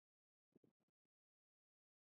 ترڅو پایله یې یوه پایداره ډیموکراسي وي.